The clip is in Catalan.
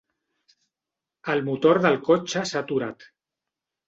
El motor del cotxe s'ha aturat.